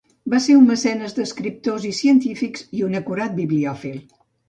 Va ser un mecenes d'escriptors i científics, i un acurat bibliòfil.